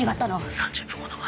３０分ほど前。